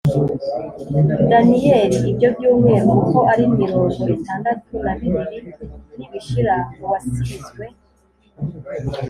Daniyeli ibyo byumweru uko ari mirongo itandatu na bibiri nibishira uwasizwe